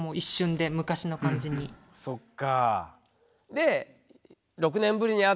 そっか。